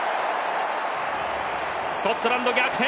スコットランド逆転！